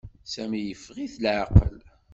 Sami yeffeɣ-it leɛqel.